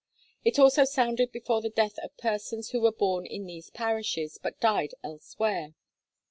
It also sounded before the death of persons 'who were born in these parishes, but died elsewhere.'